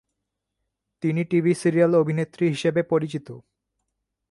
তিনি TV serial অভিনেত্রী হিসাবে পরিচিত।